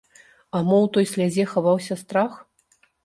А мо ў той слязе хаваўся страх?